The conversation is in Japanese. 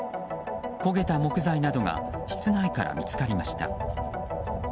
焦げた木材などが室内から見つかりました。